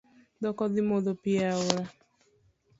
Dhok odhii modho pii e aora.